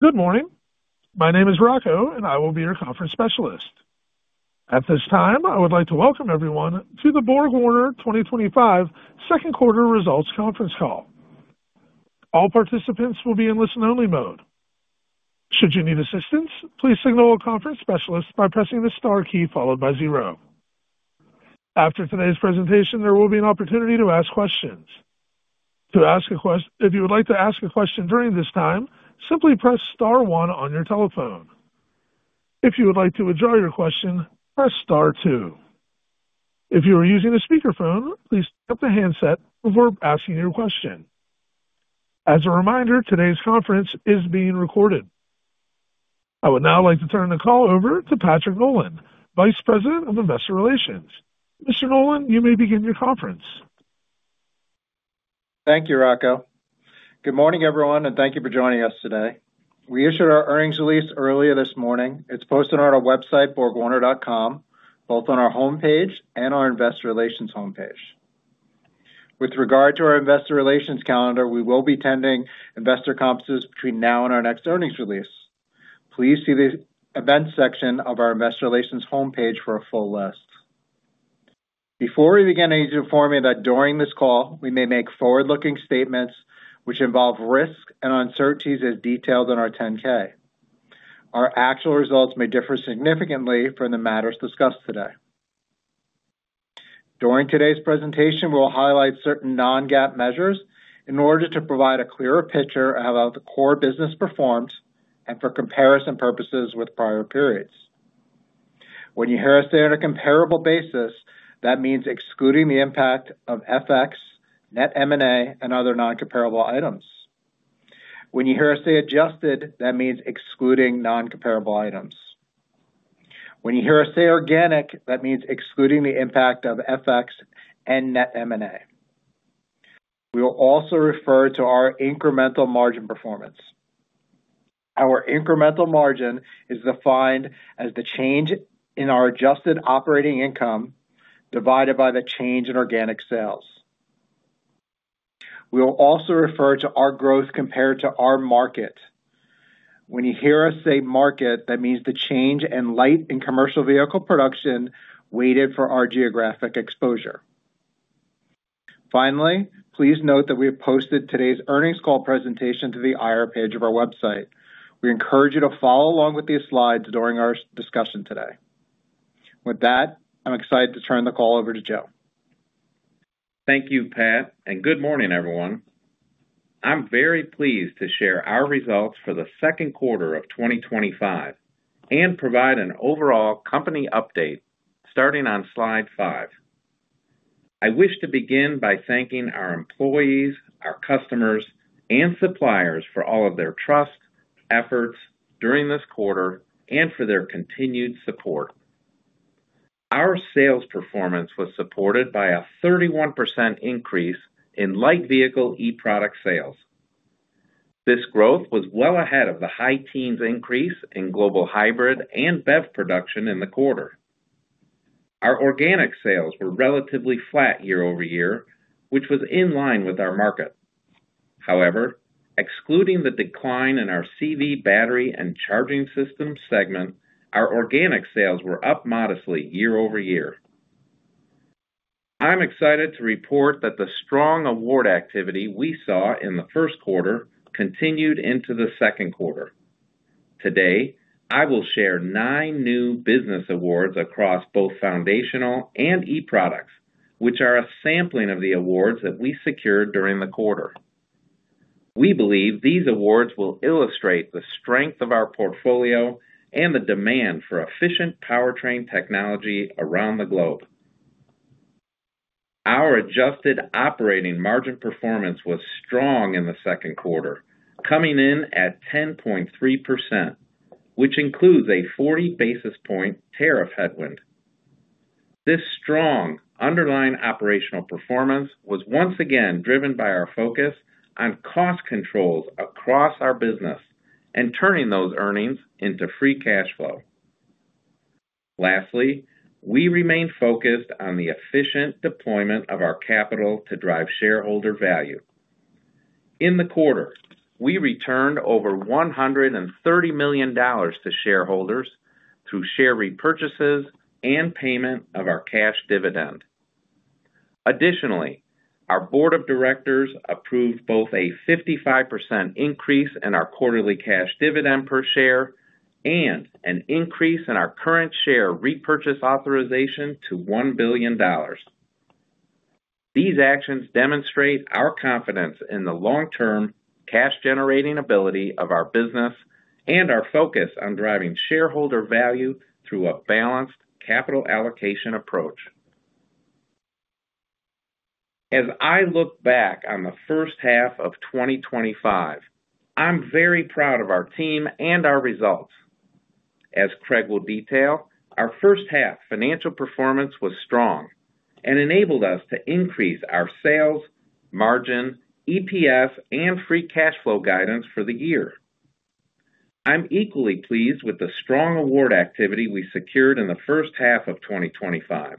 Good morning. My name is Rocco, and I will be your conference specialist. At this time, I would like to welcome everyone to the BorgWarner 2025 second quarter results conference call. All participants will be in listen-only mode. Should you need assistance, please signal a conference specialist by pressing the star key followed by zero. After today's presentation, there will be an opportunity to ask questions. To ask a question during this time, simply press star one on your telephone. If you would like to withdraw your question, press star two. If you are using a speaker phone, please pick up the handset before asking your question. As a reminder, today's conference is being recorded. I would now like to turn the call over to Patrick Nolan, Vice President of Investor Relations. Mr. Nolan, you may begin your conference. Thank you, Rocco. Good morning, everyone, and thank you for joining us today. We issued our earnings release earlier this morning. It's posted on our website, borgwarner.com, both on our homepage and our Investor Relations homepage. With regard to our Investor Relations calendar, we will be attending investor conferences between now and our next earnings release. Please see the events section of our Investor Relations homepage for a full list. Before we begin, I need to inform you that during this call, we may make forward-looking statements which involve risks and uncertainties as detailed in our 10-K. Our actual results may differ significantly from the matters discussed today. During today's presentation, we will highlight certain non-GAAP measures in order to provide a clearer picture of how the core business performs and for comparison purposes with prior periods. When you hear us say on a comparable basis, that means excluding the impact of FX, net M&A, and other non-comparable items. When you hear us say adjusted, that means excluding non-comparable items. When you hear us say organic, that means excluding the impact of FX and net M&A. We will also refer to our incremental margin performance. Our incremental margin is defined as the change in our adjusted operating income divided by the change in organic sales. We will also refer to our growth compared to our market. When you hear us say market, that means the change in light and commercial vehicle production weighted for our geographic exposure. Finally, please note that we have posted today's earnings call presentation to the IR page of our website. We encourage you to follow along with these slides during our discussion today. With that, I'm excited to turn the call over to Joe. Thank you, Pat, and good morning, everyone. I'm very pleased to share our results for the second quarter of 2025 and provide an overall company update starting on slide five. I wish to begin by thanking our employees, our customers, and suppliers for all of their trust, efforts during this quarter, and for their continued support. Our sales performance was supported by a 31% increase in light vehicle e-product sales. This growth was well ahead of the high teens increase in global hybrid and BEV production in the quarter. Our organic sales were relatively flat year-over-year, which was in line with our market. However, excluding the decline in our CV battery and charging system segment, our organic sales were up modestly year-over-year. I'm excited to report that the strong award activity we saw in the first quarter continued into the second quarter. Today, I will share nine new business awards across both foundational and e-products, which are a sampling of the awards that we secured during the quarter. We believe these awards will illustrate the strength of our portfolio and the demand for efficient powertrain technology around the globe. Our adjusted operating margin performance was strong in the second quarter, coming in at 10.3%, which includes a 40 basis point tariff headwind. This strong underlying operational performance was once again driven by our focus on cost controls across our business and turning those earnings into free cash flow. Lastly, we remain focused on the efficient deployment of our capital to drive shareholder value. In the quarter, we returned over $130 million to shareholders through share repurchases and payment of our cash dividend. Additionally, our board of directors approved both a 55% increase in our quarterly cash dividend per share and an increase in our current share repurchase authorization to $1 billion. These actions demonstrate our confidence in the long-term cash-generating ability of our business and our focus on driving shareholder value through a balanced capital allocation approach. As I look back on the first half of 2025, I'm very proud of our team and our results. As Craig will detail, our first half financial performance was strong and enabled us to increase our sales, margin, EPS, and free cash flow guidance for the year. I'm equally pleased with the strong award activity we secured in the first half of 2025,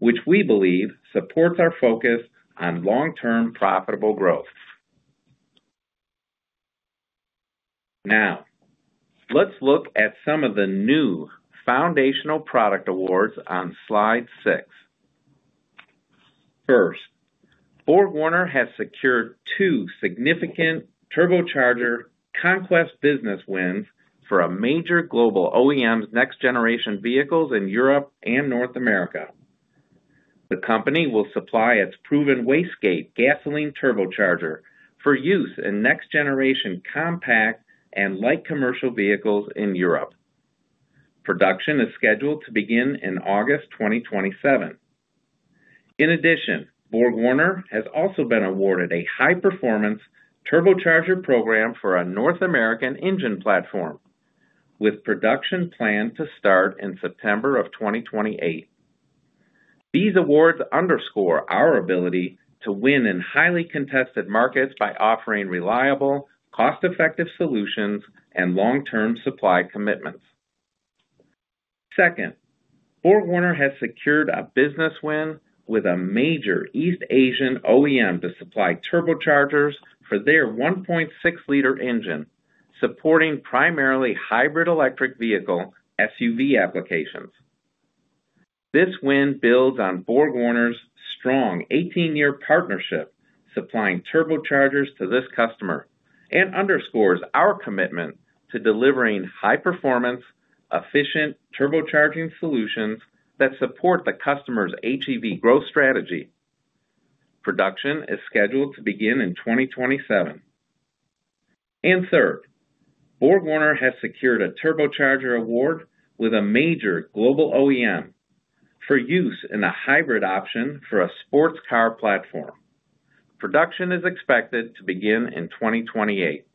which we believe supports our focus on long-term profitable growth. Now, let's look at some of the new foundational product awards on slide six. First, BorgWarner has secured two significant turbocharger conquest business wins for a major global OEM's next-generation vehicles in Europe and North America. The company will supply its proven wastegate gasoline turbocharger for use in next-generation compact and light commercial vehicles in Europe. Production is scheduled to begin in August 2027. In addition, BorgWarner has also been awarded a high-performance turbocharger program for our North American engine platform, with production planned to start in September 2028. These awards underscore our ability to win in highly contested markets by offering reliable, cost-effective solutions and long-term supply commitments. Second, BorgWarner has secured a business win with a major East Asian OEM to supply turbochargers for their 1.6-liter engine, supporting primarily hybrid electric vehicle (SUV) applications. This win builds on BorgWarner's strong 18-year partnership supplying turbochargers to this customer and underscores our commitment to delivering high-performance, efficient turbocharging solutions that support the customer's HEV growth strategy. Production is scheduled to begin in 2027. Third, BorgWarner has secured a turbocharger award with a major global OEM for use in a hybrid option for a sports car platform. Production is expected to begin in 2028.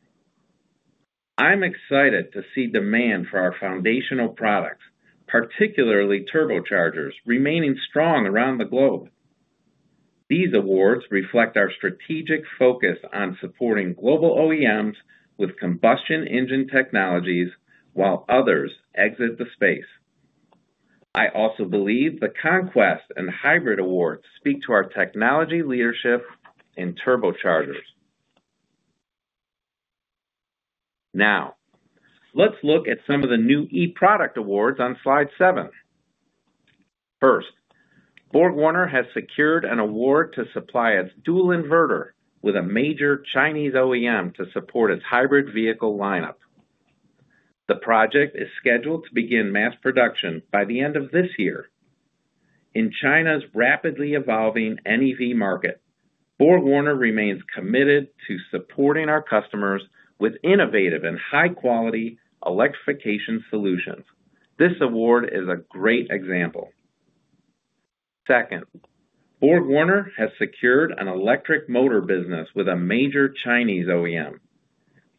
I'm excited to see demand for our foundational products, particularly turbochargers, remaining strong around the globe. These awards reflect our strategic focus on supporting global OEMs with combustion engine technologies while others exit the space. I also believe the conquest and hybrid awards speak to our technology leadership in turbochargers. Now, let's look at some of the new e-product awards on slide seven. First, BorgWarner has secured an award to supply its dual inverter with a major Chinese OEM to support its hybrid vehicle lineup. The project is scheduled to begin mass production by the end of this year. In China's rapidly evolving NEV market, BorgWarner remains committed to supporting our customers with innovative and high-quality electrification solutions. This award is a great example. Second, BorgWarner has secured an electric motor business with a major Chinese OEM.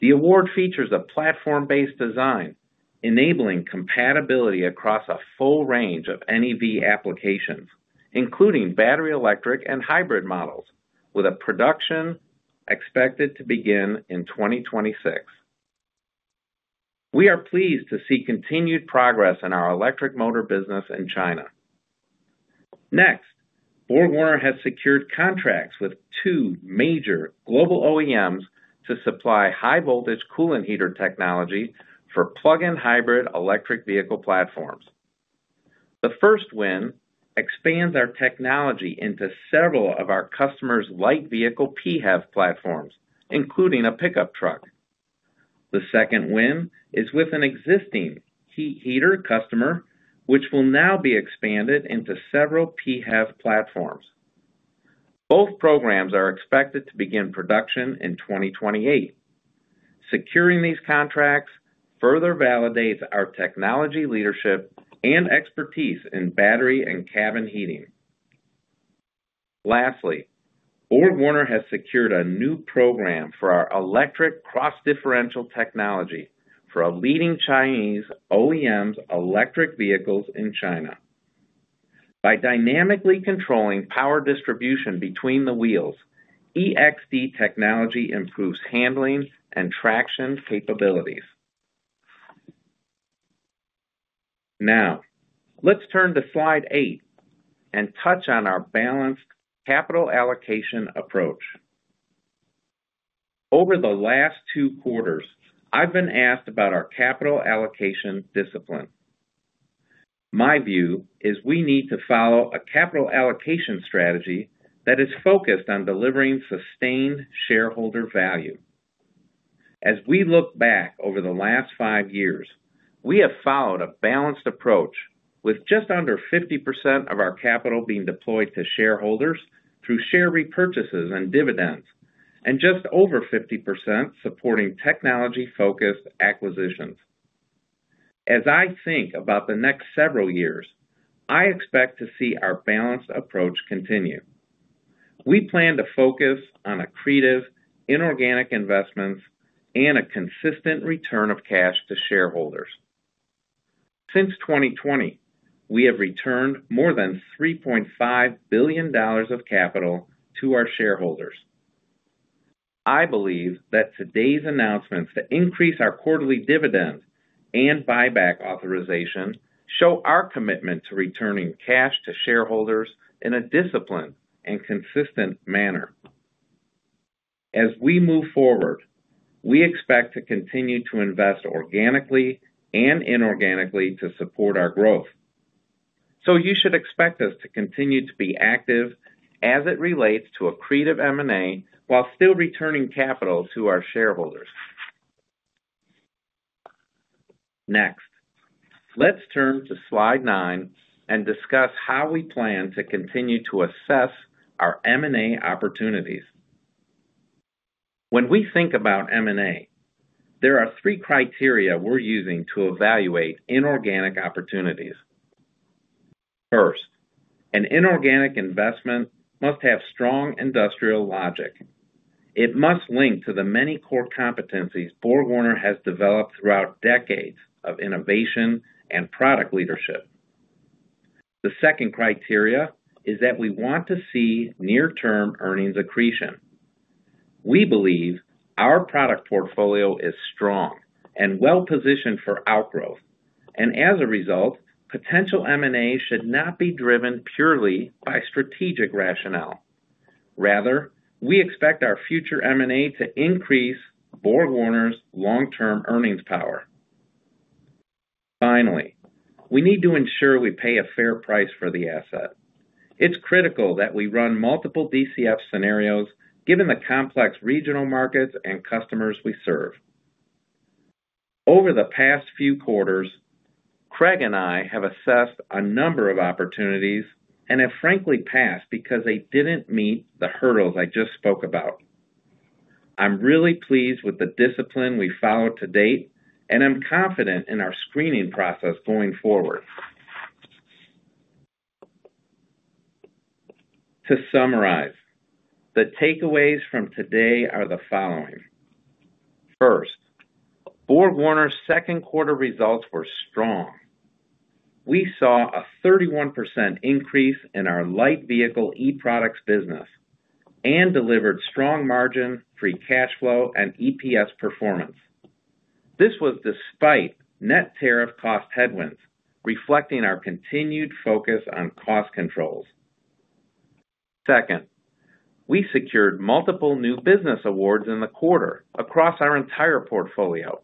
The award features a platform-based design enabling compatibility across a full range of NEV applications, including battery electric and hybrid models, with production expected to begin in 2026. We are pleased to see continued progress in our electric motor business in China. Next, BorgWarner has secured contracts with two major global OEMs to supply high-voltage coolant heater technology for plug-in hybrid electric vehicle platforms. The first win expands our technology into several of our customers' light vehicle PHEV platforms, including a pickup truck. The second win is with an existing heater customer, which will now be expanded into several PHEV platforms. Both programs are expected to begin production in 2028. Securing these contracts further validates our technology leadership and expertise in battery and cabin heating. Lastly, BorgWarner has secured a new program for our electric cross-differential technology for a leading Chinese OEM's electric vehicles in China. By dynamically controlling power distribution between the wheels, eXD technology improves handling and traction capabilities. Now, let's turn to slide eight and touch on our balanced capital allocation approach. Over the last two quarters, I've been asked about our capital allocation discipline. My view is we need to follow a capital allocation strategy that is focused on delivering sustained shareholder value. As we look back over the last five years, we have followed a balanced approach with just under 50% of our capital being deployed to shareholders through share repurchases and dividends, and just over 50% supporting technology-focused acquisitions. As I think about the next several years, I expect to see our balanced approach continue. We plan to focus on accretive inorganic investments and a consistent return of cash to shareholders. Since 2020, we have returned more than $3.5 billion of capital to our shareholders. I believe that today's announcements to increase our quarterly dividend and buyback authorization show our commitment to returning cash to shareholders in a disciplined and consistent manner. As we move forward, we expect to continue to invest organically and inorganically to support our growth. You should expect us to continue to be active as it relates to accretive M&A while still returning capital to our shareholders. Next, let's turn to slide nine and discuss how we plan to continue to assess our M&A opportunities. When we think about M&A, there are three criteria we're using to evaluate inorganic opportunities. First, an inorganic investment must have strong industrial logic. It must link to the many core competencies BorgWarner has developed throughout decades of innovation and product leadership. The second criteria is that we want to see near-term earnings accretion. We believe our product portfolio is strong and well-positioned for outgrowth, and as a result, potential M&A should not be driven purely by strategic rationale. Rather, we expect our future M&A to increase BorgWarner's long-term earnings power. Finally, we need to ensure we pay a fair price for the asset. It's critical that we run multiple DCF scenarios, given the complex regional markets and customers we serve. Over the past few quarters, Craig and I have assessed a number of opportunities and have frankly passed because they didn't meet the hurdles I just spoke about. I'm really pleased with the discipline we've followed to date, and I'm confident in our screening process going forward. To summarize, the takeaways from today are the following. First, BorgWarner's second quarter results were strong. We saw a 31% increase in our light vehicle e-products business and delivered strong margin, free cash flow, and EPS performance. This was despite net tariff cost headwinds, reflecting our continued focus on cost controls. Second, we secured multiple new business awards in the quarter across our entire portfolio,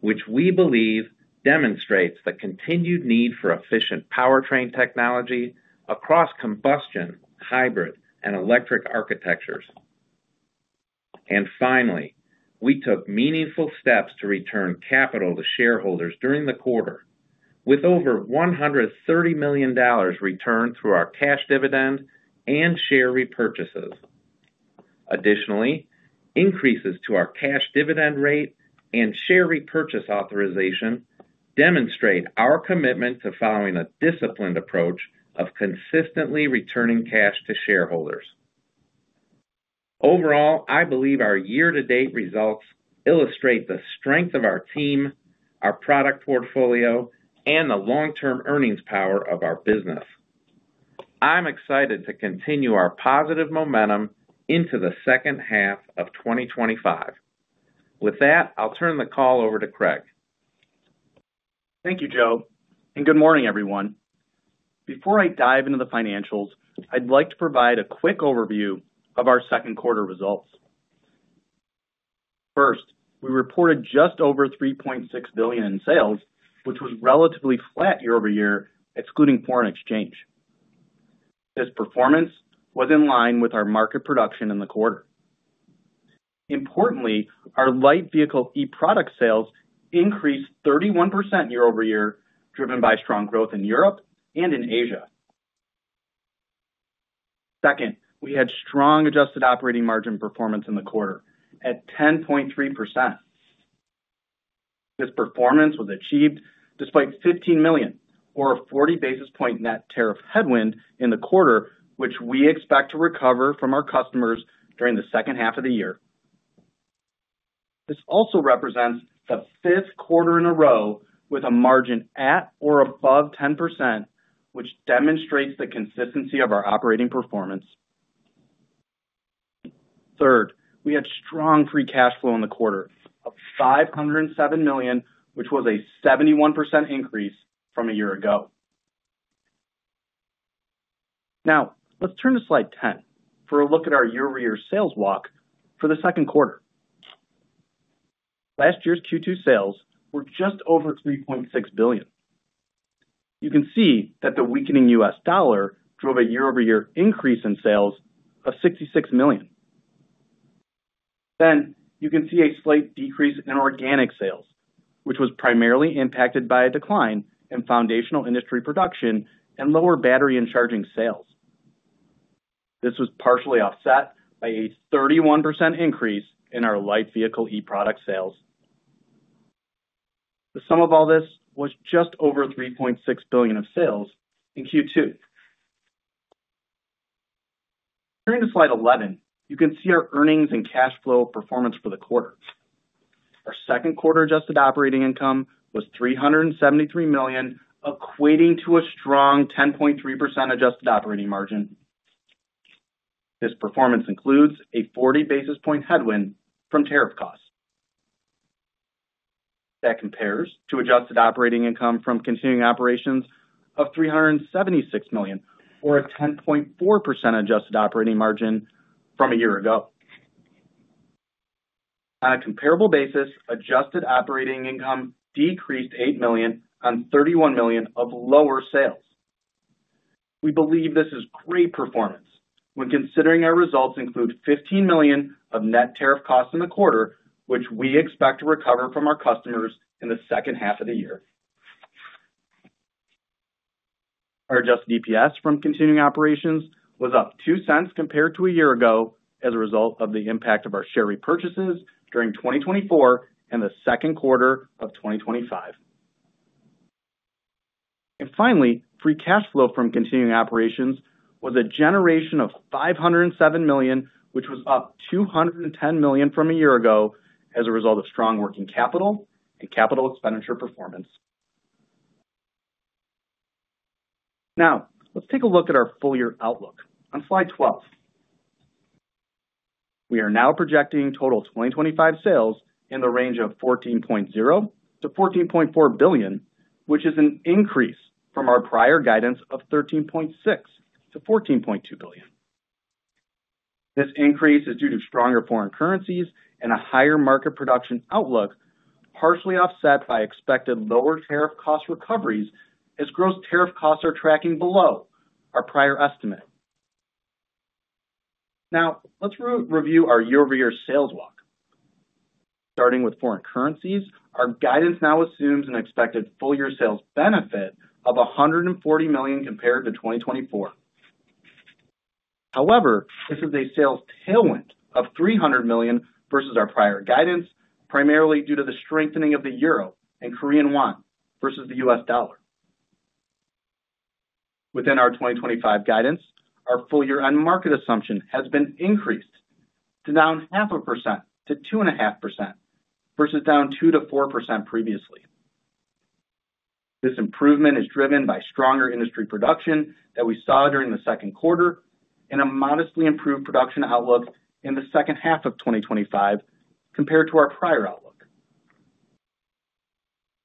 which we believe demonstrates the continued need for efficient powertrain technology across combustion, hybrid, and electric architectures. Finally, we took meaningful steps to return capital to shareholders during the quarter, with over $130 million returned through our cash dividend and share repurchases. Additionally, increases to our cash dividend rate and share repurchase authorization demonstrate our commitment to following a disciplined approach of consistently returning cash to shareholders. Overall, I believe our year-to-date results illustrate the strength of our team, our product portfolio, and the long-term earnings power of our business. I'm excited to continue our positive momentum into the second half of 2025. With that, I'll turn the call over to Craig. Thank you, Joe, and good morning, everyone. Before I dive into the financials, I'd like to provide a quick overview of our second quarter results. First, we reported just over $3.6 billion in sales, which was relatively flat year-over-year, excluding foreign exchange. This performance was in line with our market production in the quarter. Importantly, our light vehicle e-product sales increased 31% year-over-year, driven by strong growth in Europe and in Asia. Second, we had strong adjusted operating margin performance in the quarter at 10.3%. This performance was achieved despite $15 million, or a 40 basis point net tariff headwind in the quarter, which we expect to recover from our customers during the second half of the year. This also represents the fifth quarter in a row with a margin at or above 10%, which demonstrates the consistency of our operating performance. Third, we had strong free cash flow in the quarter of $507 million, which was a 71% increase from a year ago. Now, let's turn to slide 10 for a look at our year-over-year sales walk for the second quarter. Last year's Q2 sales were just over $3.6 billion. You can see that the weakening U.S. dollar drove a year-over-year increase in sales of $66 million. You can see a slight decrease in organic sales, which was primarily impacted by a decline in foundational industry production and lower battery and charging sales. This was partially offset by a 31% increase in our light vehicle e-product sales. The sum of all this was just over $3.6 billion of sales in Q2. Turn to slide 11. You can see our earnings and cash flow performance for the quarter. Our second quarter adjusted operating income was $373 million, equating to a strong 10.3% adjusted operating margin. This performance includes a 40 basis point headwind from tariff costs. That compares to adjusted operating income from continuing operations of $376 million, or a 10.4% adjusted operating margin from a year ago. On a comparable basis, adjusted operating income decreased $8 million on $31 million of lower sales. We believe this is great performance when considering our results include $15 million of net tariff costs in the quarter, which we expect to recover from our customers in the second half of the year. Our adjusted EPS from continuing operations was up $0.02 compared to a year ago as a result of the impact of our share repurchases during 2024 and the second quarter of 2025. Finally, free cash flow from continuing operations was a generation of $507 million, which was up $210 million from a year ago as a result of strong working capital and capital expenditure performance. Now, let's take a look at our full-year outlook on slide 12. We are now projecting total 2025 sales in the range of $14.0 billion-$14.4 billion, which is an increase from our prior guidance of $13.6 billion-$14.2 billion. This increase is due to stronger foreign currencies and a higher market production outlook, partially offset by expected lower tariff cost recoveries as gross tariff costs are tracking below our prior estimate. Now, let's review our year-over-year sales walk. Starting with foreign currencies, our guidance now assumes an expected full-year sales benefit of $140 million compared to 2024. However, this is a sales tailwind of $300 million versus our prior guidance, primarily due to the strengthening of the euro and Korean won versus the U.S. dollar. Within our 2025 guidance, our full-year end market assumption has been increased to down 0.5%-2.5% versus down 2%-4% previously. This improvement is driven by stronger industry production that we saw during the second quarter and a modestly improved production outlook in the second half of 2025 compared to our prior outlook.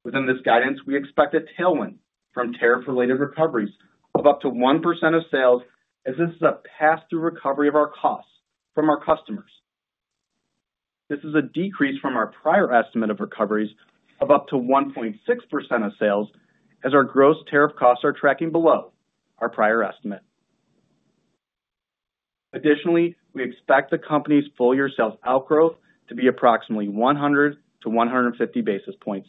Within this guidance, we expect a tailwind from tariff-related recoveries of up to 1% of sales, as this is a pass-through recovery of our costs from our customers. This is a decrease from our prior estimate of recoveries of up to 1.6% of sales, as our gross tariff costs are tracking below our prior estimate. Additionally, we expect the company's full-year sales outgrowth to be approximately 100 basis points-150 basis points.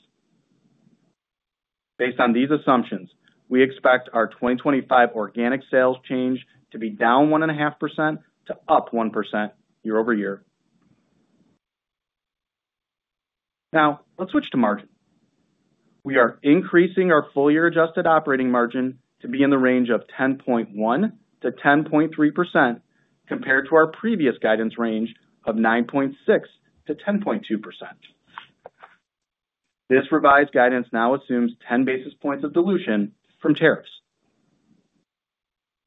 Based on these assumptions, we expect our 2025 organic sales change to be down 1.5% to up 1% year-over-year. Now, let's switch to margin. We are increasing our full-year adjusted operating margin to be in the range of 10.1%-10.3% compared to our previous guidance range of 9.6%-10.2%. This revised guidance now assumes 10 basis points of dilution from tariffs.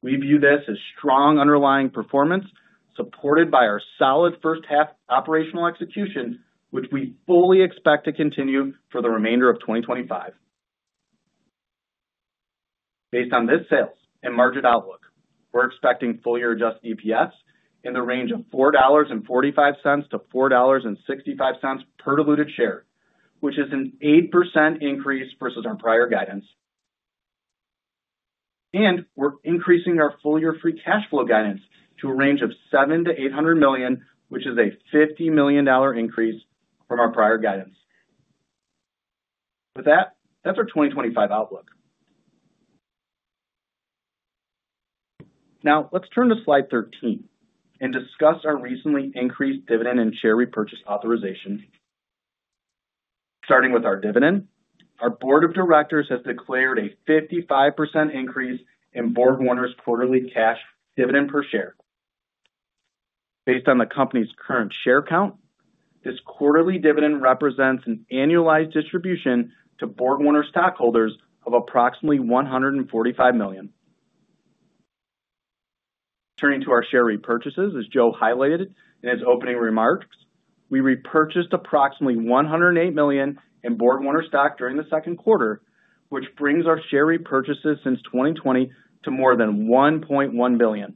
We view this as strong underlying performance supported by our solid first half operational execution, which we fully expect to continue for the remainder of 2025. Based on this sales and margin outlook, we're expecting full-year adjusted EPS in the range of $4.45-$4.65 per diluted share, which is an 8% increase versus our prior guidance. We're increasing our full-year free cash flow guidance to a range of $700 million-$800 million, which is a $50 million increase from our prior guidance. With that, that's our 2025 outlook. Now, let's turn to slide 13 and discuss our recently increased dividend and share repurchase authorization. Starting with our dividend, our Board of Directors has declared a 55% increase in BorgWarner's quarterly cash dividend per share. Based on the company's current share count, this quarterly dividend represents an annualized distribution to BorgWarner stockholders of approximately $145 million. Turning to our share repurchases, as Joe highlighted in his opening remarks, we repurchased approximately $108 million in BorgWarner stock during the second quarter, which brings our share repurchases since 2020 to more than $1.1 billion.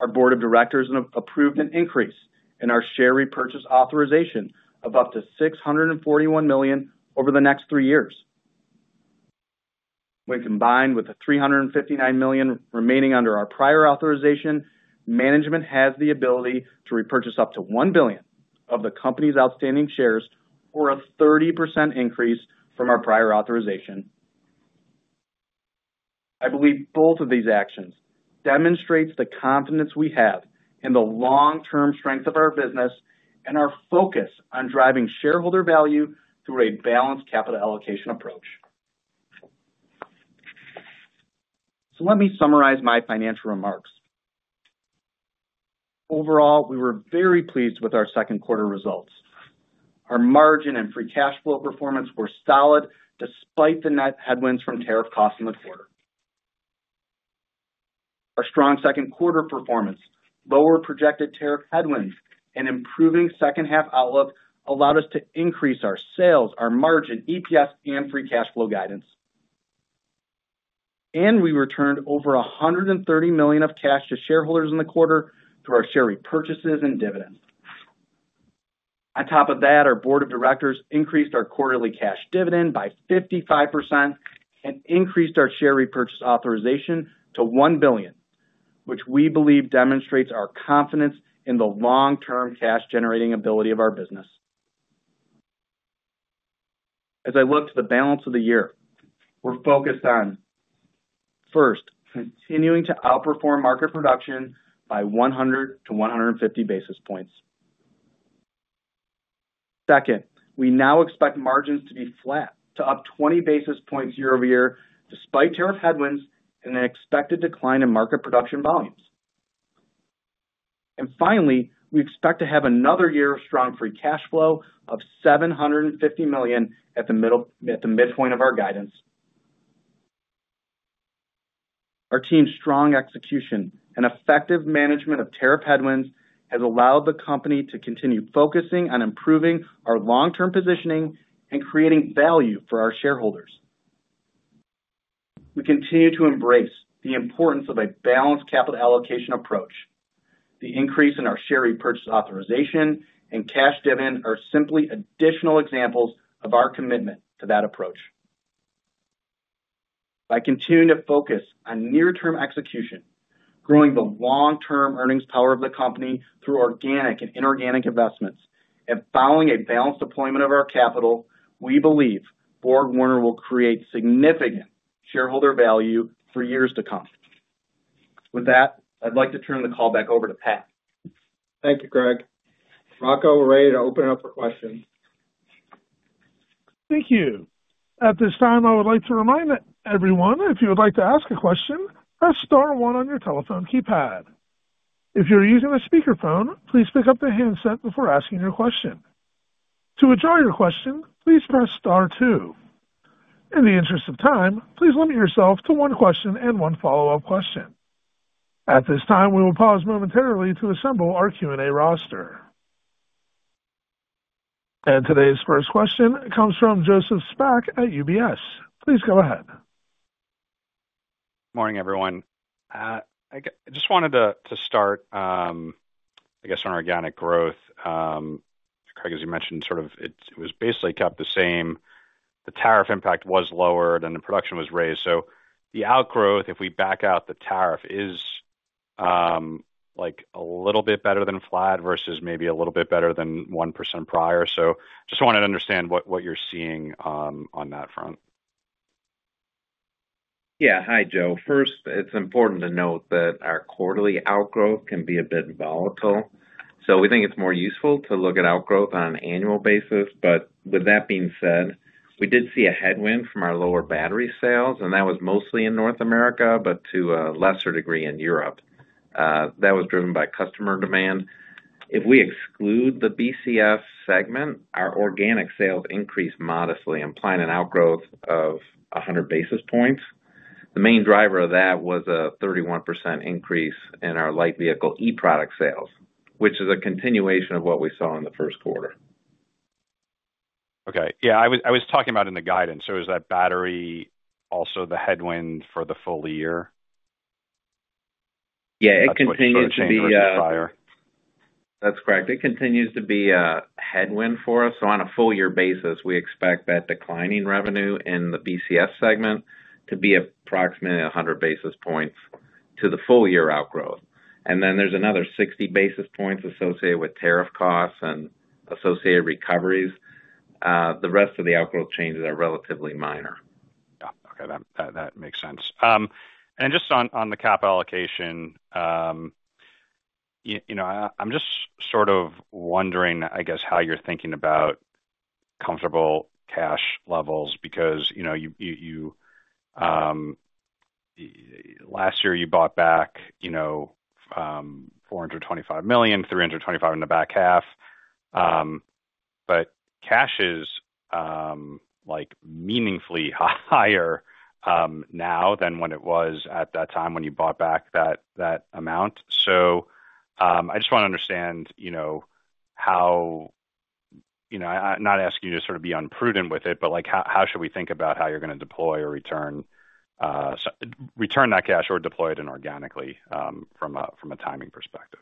Our Board of Directors approved an increase in our share repurchase authorization of up to $641 million over the next three years. When combined with the $359 million remaining under our prior authorization, management has the ability to repurchase up to $1 billion of the company's outstanding shares for a 30% increase from our prior authorization. I believe both of these actions demonstrate the confidence we have in the long-term strength of our business and our focus on driving shareholder value through a balanced capital allocation approach. Let me summarize my financial remarks. Overall, we were very pleased with our second quarter results. Our margin and free cash flow performance were solid despite the net headwinds from tariff costs in the quarter. Our strong second quarter performance, lower projected tariff headwinds, and improving second half outlook allowed us to increase our sales, our margin, EPS, and free cash flow guidance. We returned over $130 million of cash to shareholders in the quarter through our share repurchases and dividends. On top of that, our Board of Directors increased our quarterly cash dividend by 55% and increased our share repurchase authorization to $1 billion, which we believe demonstrates our confidence in the long-term cash-generating ability of our business. As I look to the balance of the year, we're focused on, first, continuing to outperform market production by 100 basis points-150 basis points. Second, we now expect margins to be flat to up 20 basis points year-over-year despite tariff headwinds and an expected decline in market production volumes. Finally, we expect to have another year of strong free cash flow of $750 million at the midpoint of our guidance. Our team's strong execution and effective management of tariff headwinds have allowed the company to continue focusing on improving our long-term positioning and creating value for our shareholders. We continue to embrace the importance of a balanced capital allocation approach. The increase in our share repurchase authorization and cash dividend are simply additional examples of our commitment to that approach. By continuing to focus on near-term execution, growing the long-term earnings power of the company through organic and inorganic investments, and following a balanced deployment of our capital, we believe BorgWarner will create significant shareholder value for years to come. With that, I'd like to turn the call back over to Pat. Thank you, Craig. Rocco, we're ready to open it up for questions. Thank you. At this time, I would like to remind everyone, if you would like to ask a question, press star one on your telephone keypad. If you're using a speaker phone, please pick up the handset before asking your question. To withdraw your question, please press star two. In the interest of time, please limit yourself to one question and one follow-up question. At this time, we will pause momentarily to assemble our Q&A roster. Today's first question comes from Joseph Spak at UBS. Please go ahead. Morning, everyone. I just wanted to start, I guess, on organic growth. Craig, as you mentioned, it was basically kept the same. The tariff impact was lowered and the production was raised. The outgrowth, if we back out the tariff, is a little bit better than flat versus maybe a little bit better than 1% prior. I just wanted to understand what you're seeing on that front. Yeah. Hi, Joe. First, it's important to note that our quarterly outgrowth can be a bit volatile. We think it's more useful to look at outgrowth on an annual basis. With that being said, we did see a headwind from our lower battery sales, and that was mostly in North America, to a lesser degree in Europe. That was driven by customer demand. If we exclude the BCF segment, our organic sales increased modestly, implying an outgrowth of 100 basis points. The main driver of that was a 31% increase in our light vehicle e-product sales, which is a continuation of what we saw in the first quarter. Okay. Yeah, I was talking about in the guidance. Is that battery also the headwind for the full year? Yeah, it continues to be. Is it going to be higher? That's correct. It continues to be a headwind for us. On a full-year basis, we expect that declining revenue in the BCF segment to be approximately 100 basis points to the full-year outgrowth, and there's another 60 basis points associated with tariff costs and associated recoveries. The rest of the outgrowth changes are relatively minor. Got it. Okay. That makes sense. Just on the capital allocation, I'm just sort of wondering, I guess, how you're thinking about comfortable cash levels because last year you bought back $425 million, $325 million in the back half. Cash is meaningfully higher now than when it was at that time when you bought back that amount. I just want to understand how you know, I'm not asking you to be unprudent with it, but how should we think about how you're going to deploy or return that cash or deploy it inorganically from a timing perspective?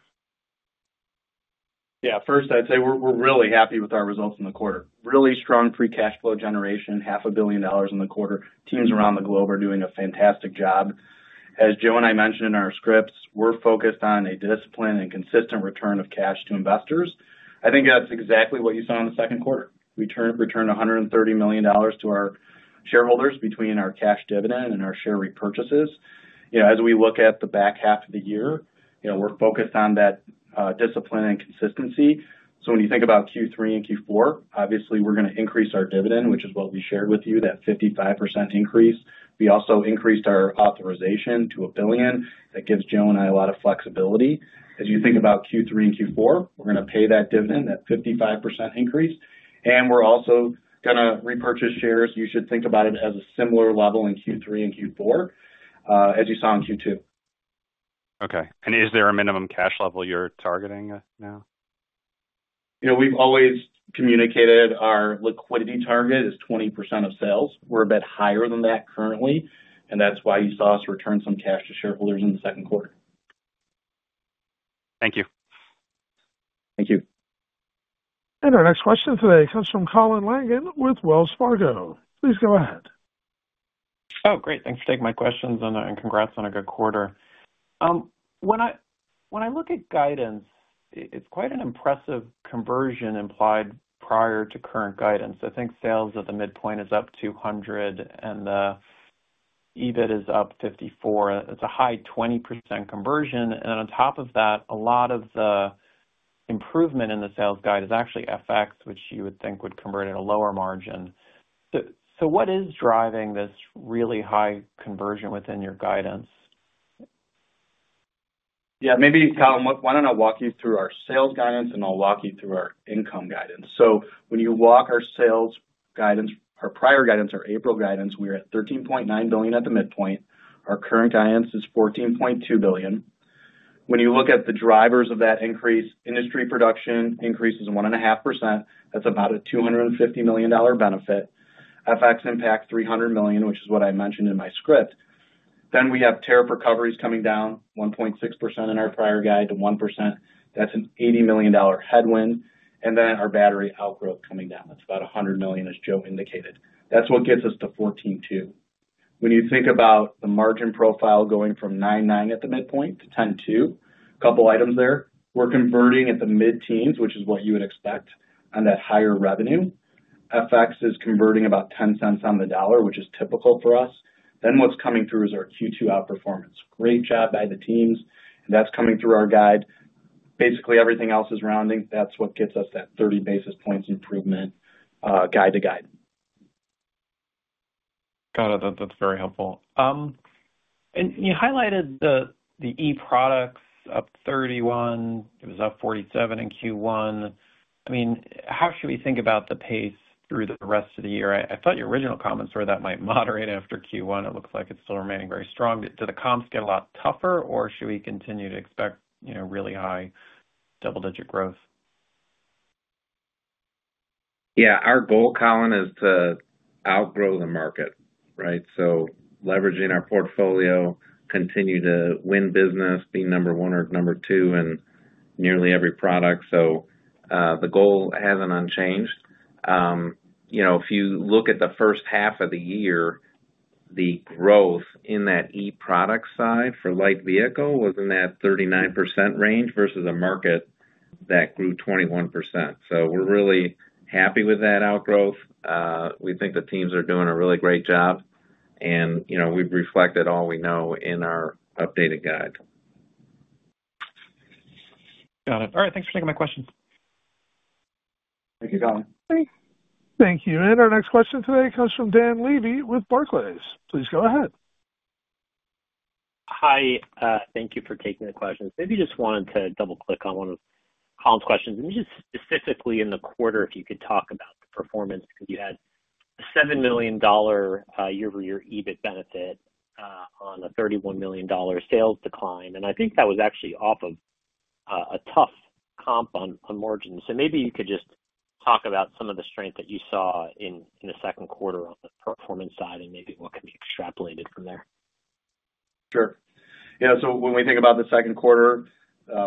Yeah. First, I'd say we're really happy with our results in the quarter. Really strong free cash flow generation, half a billion dollars in the quarter. Teams around the globe are doing a fantastic job. As Joe and I mentioned in our scripts, we're focused on a disciplined and consistent return of cash to investors. I think that's exactly what you saw in the second quarter. We returned $130 million to our shareholders between our cash dividend and our share repurchases. As we look at the back half of the year, we're focused on that discipline and consistency. When you think about Q3 and Q4, obviously, we're going to increase our dividend, which is what we shared with you, that 55% increase. We also increased our authorization to $1 billion. That gives Joe and I a lot of flexibility. As you think about Q3 and Q4, we're going to pay that dividend, that 55% increase. We're also going to repurchase shares. You should think about it as a similar level in Q3 and Q4, as you saw in Q2. Is there a minimum cash level you're targeting now? We've always communicated our liquidity target is 20% of sales. We're a bit higher than that currently. That's why you saw us return some cash to shareholders in the second quarter. Thank you. Thank you. Our next question today comes from Colin Langan with Wells Fargo. Please go ahead. Oh, great. Thanks for taking my questions and congrats on a good quarter. When I look at guidance, it's quite an impressive conversion implied prior to current guidance. I think sales at the midpoint is up $200 million and the EBIT is up $54 million. That's a high 20% conversion. A lot of the improvement in the sales guide is actually FX, which you would think would convert at a lower margin. What is driving this really high conversion within your guidance? Yeah. Maybe, Colin, why don't I walk you through our sales guidance and I'll walk you through our income guidance. When you walk our sales guidance, our prior guidance, our April guidance, we were at $13.9 billion at the midpoint. Our current guidance is $14.2 billion. When you look at the drivers of that increase, industry production increases 1.5%. That's about a $250 million benefit. FX impacts $300 million, which is what I mentioned in my script. We have tariff recoveries coming down from 1.6% in our prior guide to 1%. That's an $80 million headwind. Our battery outgrowth coming down is about $100 million, as Joe indicated. That's what gets us to $14.2 billion. When you think about the margin profile going from 9.9% at the midpoint to 10.2%, a couple of items there, we're converting at the mid-teens, which is what you would expect on that higher revenue. FX is converting about $0.10 on the dollar, which is typical for us. What's coming through is our Q2 outperformance. Great job by the teams. That's coming through our guide. Basically, everything else is rounding. That's what gets us that 30 basis points improvement, guide to guide. Got it. That's very helpful. You highlighted the e-products up 31%. It was up 47% in Q1. I mean, how should we think about the pace through the rest of the year? I thought your original comments were that might moderate after Q1. It looks like it's still remaining very strong. Do the comps get a lot tougher, or should we continue to expect, you know, really high double-digit growth? Yeah. Our goal, Colin, is to outgrow the market, right? Leveraging our portfolio, continue to win business, be number one or number two in nearly every product. The goal hasn't unchanged. You know, if you look at the first half of the year, the growth in that e-product side for light vehicle was in that 39% range versus a market that grew 21%. We're really happy with that outgrowth. We think the teams are doing a really great job. You know, we've reflected all we know in our updated guide. Got it. All right. Thanks for taking my questions. Thank you, Colin. Thank you. Our next question today comes from Dan Levy with Barclays. Please go ahead. Hi. Thank you for taking the questions. Maybe just wanted to double-click on one of Colin's questions. Specifically in the quarter, if you could talk about the performance because you had a $7 million year-over-year EBIT benefit on a $31 million sales decline. I think that was actually off of a tough comp on margins. Maybe you could just talk about some of the strength that you saw in the second quarter on the performance side and what can be extrapolated from there. Sure. Yeah. When we think about the second quarter,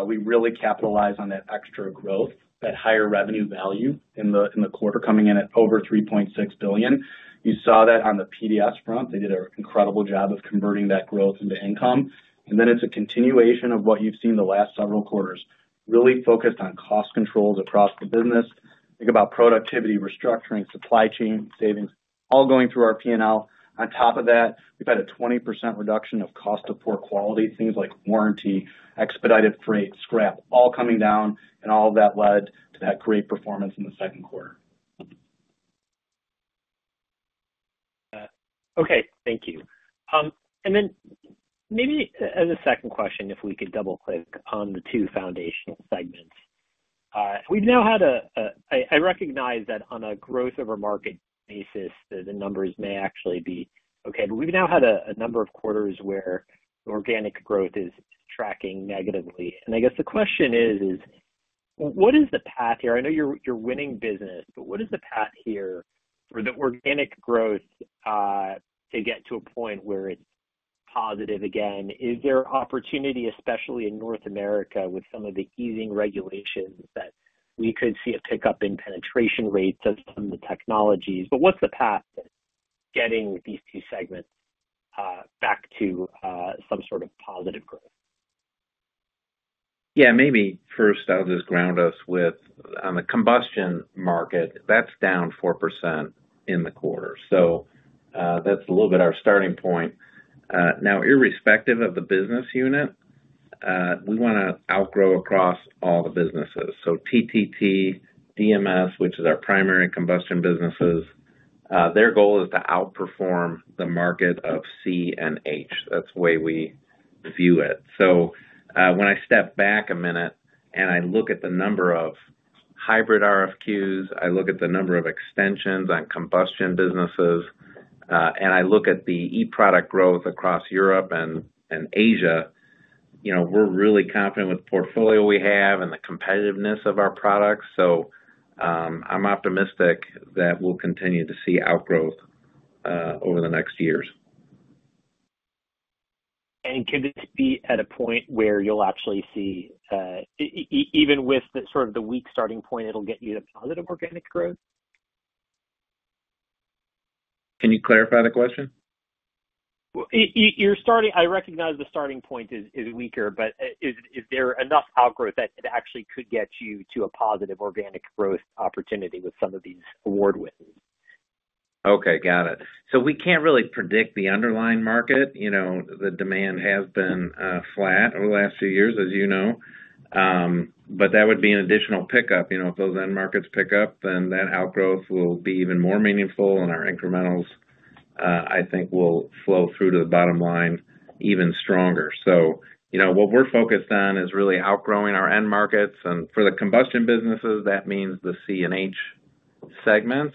we really capitalized on that extra growth, that higher revenue value in the quarter coming in at over $3.6 billion. You saw that on the PDS front. They did an incredible job of converting that growth into income. It's a continuation of what you've seen the last several quarters, really focused on cost controls across the business. Think about productivity, restructuring, supply chain savings, all going through our P&L. On top of that, we've had a 20% reduction of cost of poor quality, things like warranty, expedited freight, scrap, all coming down. All of that led to that great performance in the second quarter. Okay. Thank you. Maybe as a second question, if we could double-click on the two foundational segments. I recognize that on a growth-over-market basis, the numbers may actually be okay. We've now had a number of quarters where the organic growth is tracking negatively. I guess the question is, what is the path here? I know you're winning business, but what is the path here for the organic growth to get to a point where it's positive again? Is there opportunity, especially in North America with some of the easing regulations, that we could see a pickup in penetration rates of some of the technologies? What's the path to getting these two segments back to some sort of positive growth? Yeah. Maybe first, I'll just ground us with on the combustion market. That's down 4% in the quarter. That's a little bit our starting point. Now, irrespective of the business unit, we want to outgrow across all the businesses. TTT, DMS, which is our primary combustion businesses, their goal is to outperform the market of C and H. That's the way we view it. When I step back a minute and I look at the number of hybrid RFQs, I look at the number of extensions on combustion businesses, and I look at the e-product growth across Europe and Asia, you know, we're really confident with the portfolio we have and the competitiveness of our products. I'm optimistic that we'll continue to see outgrowth over the next years. Could this be at a point where you'll actually see, even with the sort of the weak starting point, it'll get you to positive organic growth? Can you clarify the question? I recognize the starting point is weaker, but is there enough outgrowth that it actually could get you to a positive organic growth opportunity with some of these award-wins? Okay. Got it. We can't really predict the underlying market. You know, the demand has been flat over the last few years, as you know, but that would be an additional pickup. If those end markets pick up, then that outgrowth will be even more meaningful. Our incrementals, I think, will flow through to the bottom line even stronger. What we're focused on is really outgrowing our end markets. For the combustion businesses, that means the C and H segments.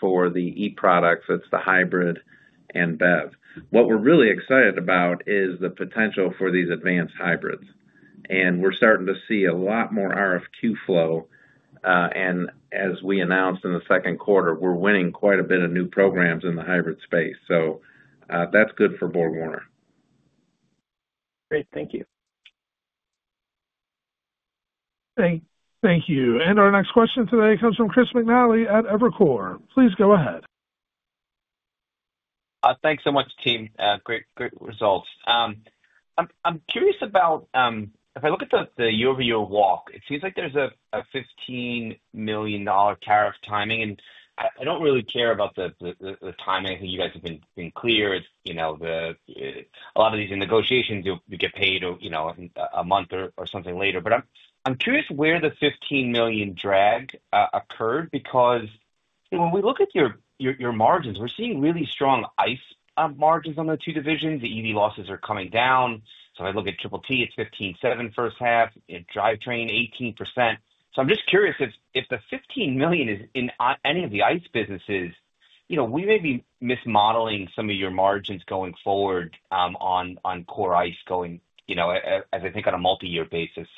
For the e-products, it's the hybrid and BEV. What we're really excited about is the potential for these advanced hybrids. We're starting to see a lot more RFQ flow, and as we announced in the second quarter, we're winning quite a bit of new programs in the hybrid space. That's good for BorgWarner. Great. Thank you. Thank you. Our next question today comes from Chris McNally at Evercore. Please go ahead. Thanks so much, team. Great, great results. I'm curious about, if I look at the year-over-year walk, it seems like there's a $15 million tariff timing. I don't really care about the timing. I think you guys have been clear. It's, you know, a lot of these in negotiations, you get paid a month or something later. I'm curious where the $15 million drag occurred because when we look at your margins, we're seeing really strong ICE margins on the two divisions. The EV losses are coming down. If I look at [Triple T], it's 15.7% first half. Drivetrain, 18%. I'm just curious if the $15 million is in any of the ICE businesses. We may be mismodeling some of your margins going forward on core ICE going, you know, as I think on a multi-year basis.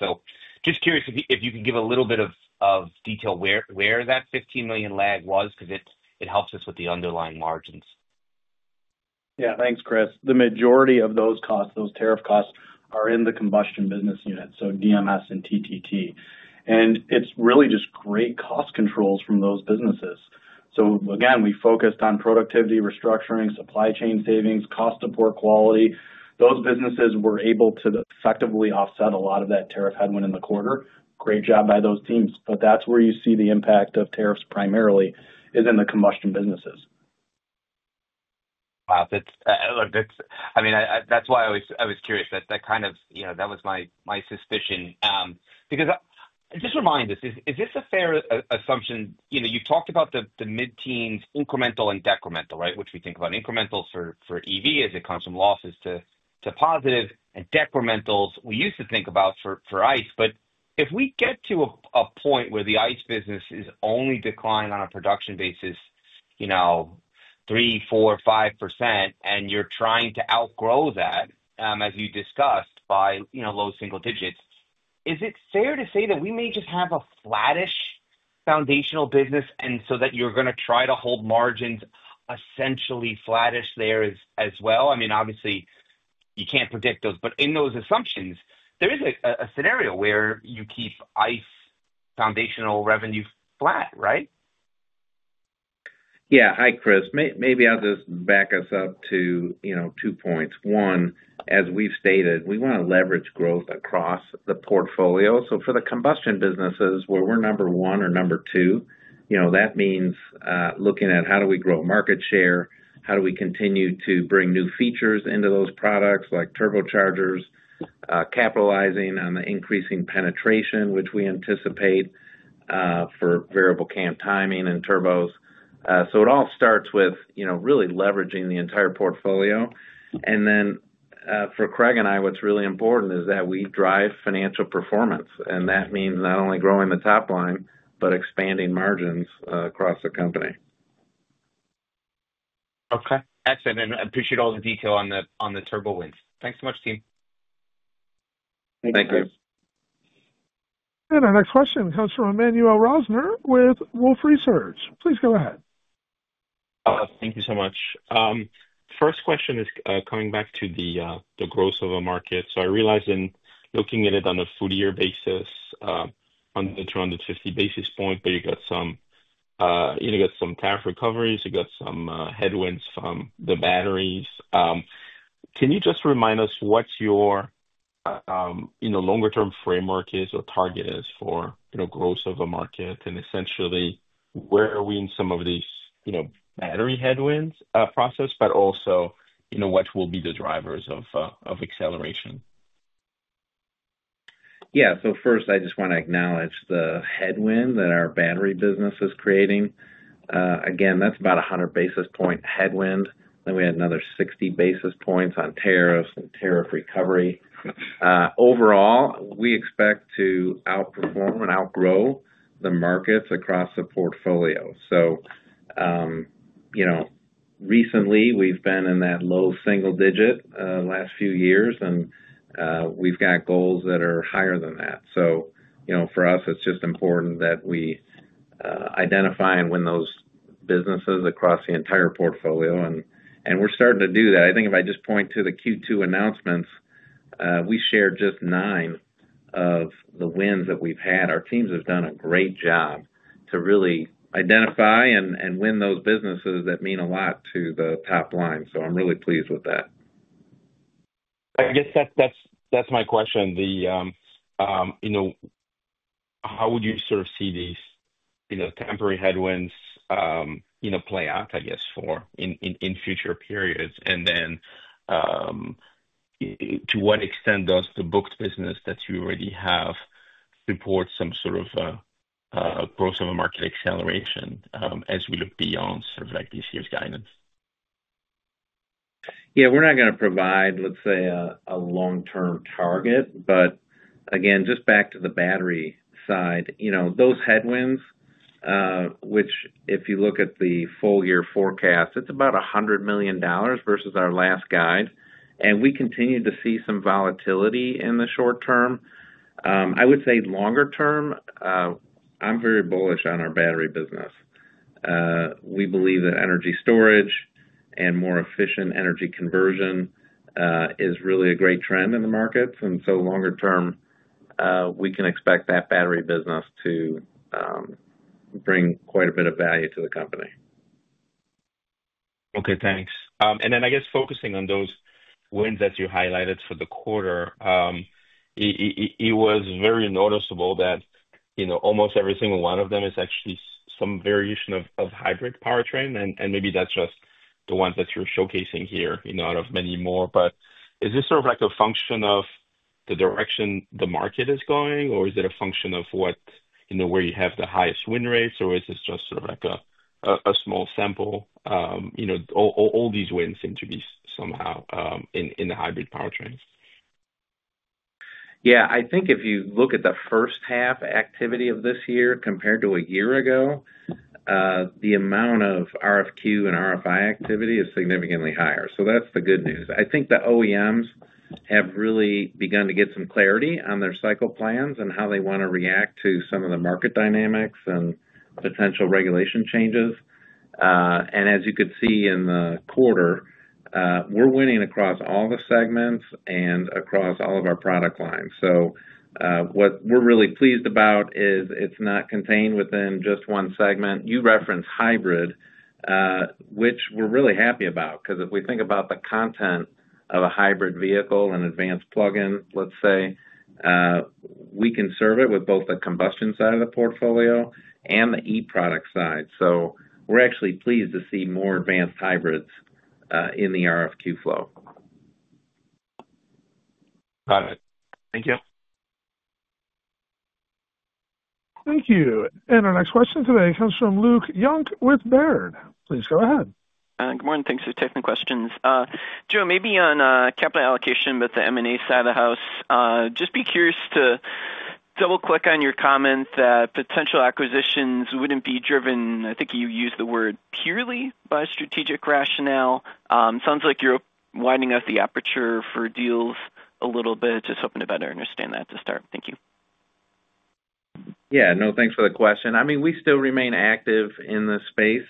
Just curious if you can give a little bit of detail where that $15 million lag was because it helps us with the underlying margins. Yeah. Thanks, Chris. The majority of those costs, those tariff costs are in the combustion business units, so DMS and TTT. It's really just great cost controls from those businesses. Again, we focused on productivity, restructuring, supply chain savings, cost of poor quality. Those businesses were able to effectively offset a lot of that tariff headwind in the quarter. Great job by those teams. That's where you see the impact of tariffs primarily is in the combustion businesses. Wow. I mean, that's why I was curious. That was my suspicion. Just remind us, is this a fair assumption? You've talked about the mid-teens incremental and decremental, right, which we think about incrementals for EV as it comes from losses to positive, and decrementals we used to think about for ICE. If we get to a point where the ICE business is only declining on a production basis, you know, 3%, 4%, 5%, and you're trying to outgrow that, as you discussed, by low single digits, is it fair to say that we may just have a flattish foundational business and that you're going to try to hold margins essentially flattish there as well? Obviously, you can't predict those. In those assumptions, there is a scenario where you keep ICE foundational revenue flat, right? Yeah. Hi, Chris. Maybe I'll just back us up to, you know, two points. One, as we've stated, we want to leverage growth across the portfolio. For the combustion businesses where we're number one or number two, that means looking at how do we grow market share, how do we continue to bring new features into those products like turbochargers, capitalizing on the increasing penetration, which we anticipate, for variable cam timing and turbos. It all starts with really leveraging the entire portfolio. For Craig and I, what's really important is that we drive financial performance. That means not only growing the top line, but expanding margins across the company. Okay. Excellent. I appreciate all the detail on the turbo wins. Thanks so much, team. Thank you. Thanks, Chris. Our next question comes from Emmanuel Rosner with Wolfe Research. Please go ahead. Thank you so much. First question is, coming back to the growth of a market. I realized in looking at it on a 40-year basis, under 250 basis point, but you got some tariff recoveries. You got some headwinds from the batteries. Can you just remind us what your longer-term framework is or target is for growth of a market? Essentially, where are we in some of these battery headwinds process, but also, what will be the drivers of acceleration? Yeah. First, I just want to acknowledge the headwind that our battery business is creating. Again, that's about a 100 basis point headwind. We had another 60 basis points on tariffs and tariff recovery. Overall, we expect to outperform and outgrow the markets across the portfolio. Recently, we've been in that low single digit the last few years, and we've got goals that are higher than that. For us, it's just important that we identify and win those businesses across the entire portfolio. We're starting to do that. I think if I just point to the Q2 announcements, we shared just nine of the wins that we've had. Our teams have done a great job to really identify and win those businesses that mean a lot to the top line. I'm really pleased with that. I guess that's my question. You know, how would you sort of see these temporary headwinds play out, I guess, in future periods? To what extent does the booked business that you already have support some sort of a growth of a market acceleration as we look beyond sort of like this year's guidance? Yeah. We're not going to provide, let's say, a long-term target. Again, just back to the battery side, you know, those headwinds, which if you look at the full-year forecast, it's about $100 million versus our last guide. We continue to see some volatility in the short term. I would say longer term, I'm very bullish on our battery business. We believe that energy storage and more efficient energy conversion is really a great trend in the markets. Longer term, we can expect that battery business to bring quite a bit of value to the company. Okay. Thanks. I guess focusing on those wins that you highlighted for the quarter, it was very noticeable that, you know, almost every single one of them is actually some variation of hybrid powertrain. Maybe that's just the ones that you're showcasing here, you know, out of many more. Is this sort of like a function of the direction the market is going, or is it a function of where you have the highest win rates, or is this just sort of like a small sample? You know, all these wins seem to be somehow in the hybrid powertrains. Yeah. I think if you look at the first half activity of this year compared to a year ago, the amount of RFQ and RFI activity is significantly higher. That's the good news. I think the OEMs have really begun to get some clarity on their cycle plans and how they want to react to some of the market dynamics and potential regulation changes. As you could see in the quarter, we're winning across all the segments and across all of our product lines. What we're really pleased about is it's not contained within just one segment. You referenced hybrid, which we're really happy about because if we think about the content of a hybrid vehicle and advanced plug-in, let's say, we can serve it with both the combustion side of the portfolio and the e-product side. We're actually pleased to see more advanced hybrids in the RFQ flow. Got it. Thank you. Thank you. Our next question today comes from Luke Junk with Baird. Please go ahead. Good morning. Thanks for taking the questions. Joe, maybe on capital allocation with the M&A side of the house, just be curious to double-click on your comment that potential acquisitions wouldn't be driven, I think you used the word, purely by strategic rationale. Sounds like you're widening up the aperture for deals a little bit. Just hoping to better understand that to start. Thank you. Yeah. No, thanks for the question. I mean, we still remain active in the space.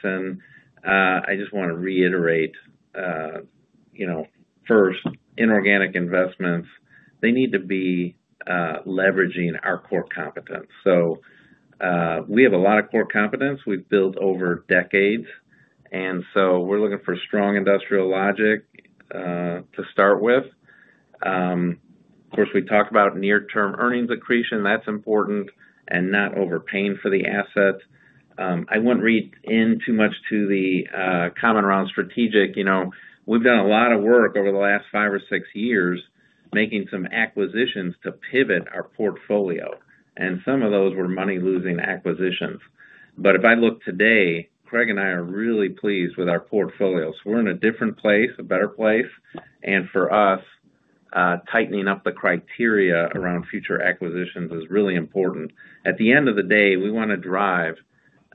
I just want to reiterate, you know, first, inorganic investments, they need to be leveraging our core competence. We have a lot of core competence we've built over decades, and we're looking for strong industrial logic to start with. Of course, we talk about near-term earnings accretion. That's important and not overpaying for the assets. I wouldn't read in too much to the comment around strategic. We've done a lot of work over the last five or six years making some acquisitions to pivot our portfolio, and some of those were money-losing acquisitions. If I look today, Craig and I are really pleased with our portfolio. We're in a different place, a better place. For us, tightening up the criteria around future acquisitions is really important. At the end of the day, we want to drive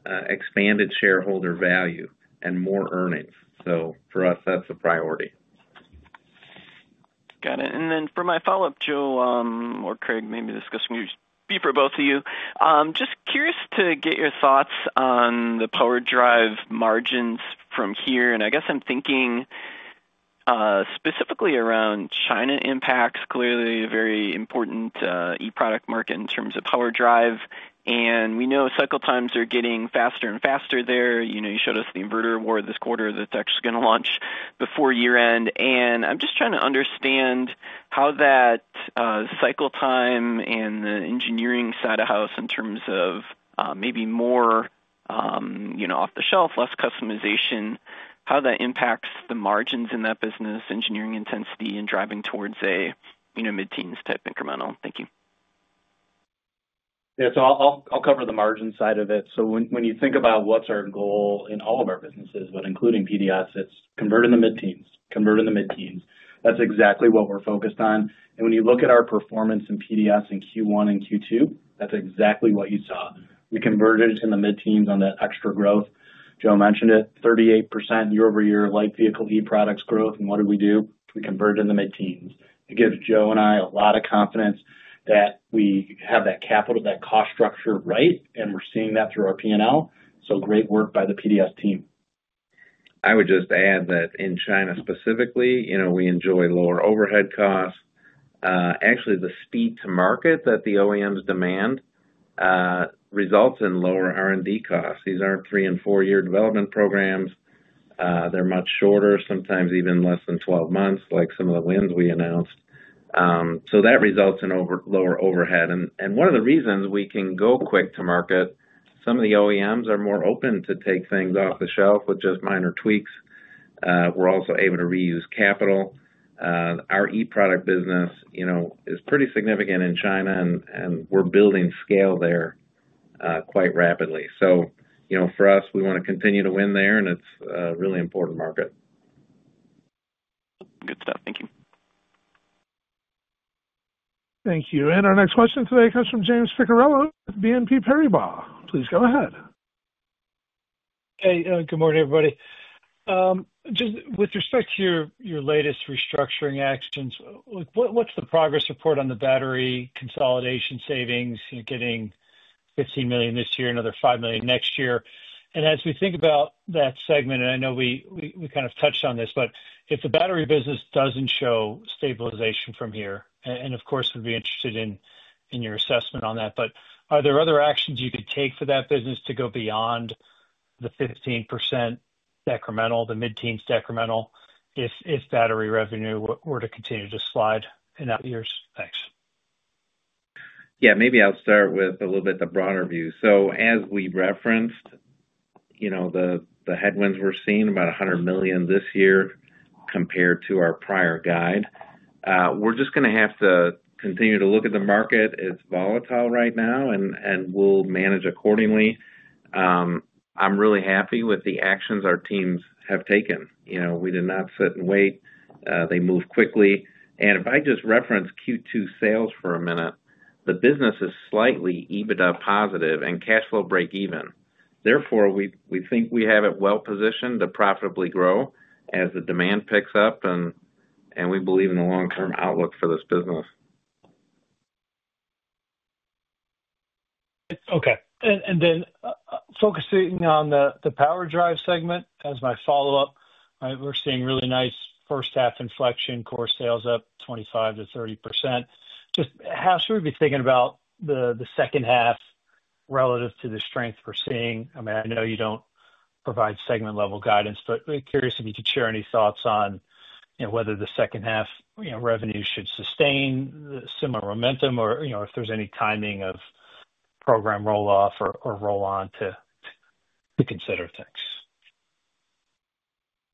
expanded shareholder value and more earnings. For us, that's a priority. Got it. For my follow-up, Joe or Craig, maybe this question could be for both of you. Just curious to get your thoughts on the power drive margins from here. I guess I'm thinking specifically around China impacts, clearly a very important e-product market in terms of power drive. We know cycle times are getting faster and faster there. You showed us the inverter award this quarter that's actually going to launch before year-end. I'm just trying to understand how that cycle time and the engineering side of the house in terms of maybe more off-the-shelf, less customization, how that impacts the margins in that business, engineering intensity, and driving towards a mid-teens type incremental. Thank you. Yeah. I'll cover the margin side of it. When you think about what's our goal in all of our businesses, but including PDS, it's convert in the mid-teens, convert in the mid-teens. That's exactly what we're focused on. When you look at our performance in PDS in Q1 and Q2, that's exactly what you saw. We converted in the mid-teens on that extra growth. Joe mentioned it, 38% year-over-year light vehicle e-products growth. What did we do? We converted in the mid-teens. It gives Joe and I a lot of confidence that we have that capital, that cost structure right, and we're seeing that through our P&L. Great work by the PDS team. I would just add that in China specifically, we enjoy lower overhead costs. Actually, the speed to market that the OEMs demand results in lower R&D costs. These aren't three and four-year development programs. They're much shorter, sometimes even less than 12 months, like some of the wins we announced. That results in lower overhead. One of the reasons we can go quick to market, some of the OEMs are more open to take things off the shelf with just minor tweaks. We're also able to reuse capital. Our e-product business is pretty significant in China, and we're building scale there quite rapidly. For us, we want to continue to win there, and it's a really important market. Good stuff. Thank you. Thank you. Our next question today comes from James Picariello with BNP Paribas. Please go ahead. Hey, good morning, everybody. Just with respect to your latest restructuring actions, what's the progress report on the battery consolidation savings, you know, getting $15 million this year, another $5 million next year? As we think about that segment, and I know we kind of touched on this, if the battery business doesn't show stabilization from here, we'd be interested in your assessment on that. Are there other actions you could take for that business to go beyond the 15% decremental, the mid-teens decremental, if battery revenue were to continue to slide in that year? Thanks. Yeah. Maybe I'll start with a little bit of the broader view. As we referenced, the headwinds we're seeing, about $100 million this year compared to our prior guide, we're just going to have to continue to look at the market. It's volatile right now, and we'll manage accordingly. I'm really happy with the actions our teams have taken. We did not sit and wait. They moved quickly. If I just reference Q2 sales for a minute, the business is slightly EBITDA positive and cash flow break-even. Therefore, we think we have it well-positioned to profitably grow as the demand picks up, and we believe in the long-term outlook for this business. Okay. Focusing on the power drive segment as my follow-up, right, we're seeing really nice first half inflection, core sales up 25%-30%. Just how should we be thinking about the second half relative to the strength we're seeing? I mean, I know you don't provide segment-level guidance, but I'm curious if you could share any thoughts on whether the second half revenue should sustain the similar momentum or if there's any timing of program rolloff or roll-on to consider. Thanks.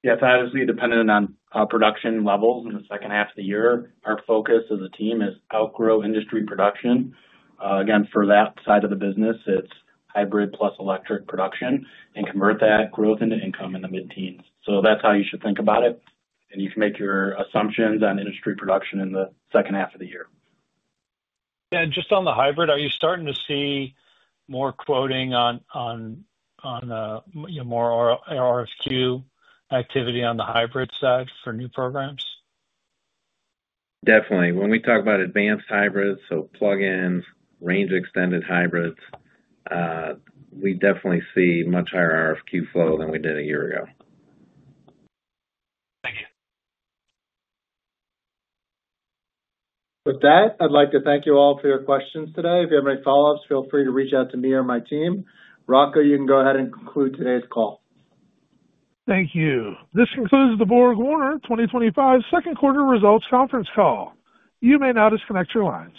Yeah. It's obviously dependent on production levels in the second half of the year. Our focus as a team is outgrow industry production. For that side of the business, it's hybrid plus electric production and convert that growth into income in the mid-teens. That's how you should think about it. You can make your assumptions on industry production in the second half of the year. Yeah, just on the hybrid, are you starting to see more quoting, you know, more RFQ activity on the hybrid side for new programs? Definitely. When we talk about advanced hybrids, so plug-ins, range extended hybrids, we definitely see much higher RFQ flow than we did a year ago. Thank you. With that, I'd like to thank you all for your questions today. If you have any follow-ups, feel free to reach out to me or my team. Rocco, you can go ahead and conclude today's call. Thank you. This concludes the BorgWarner 2025 second quarter results conference call. You may now disconnect your lines.